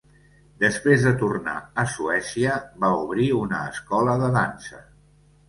Després de tornar a Suècia, va obrir una escola de dansa.